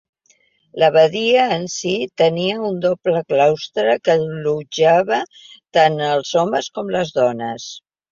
L'abadia en si tenia un doble claustre que allotjava tant els homes com les dones.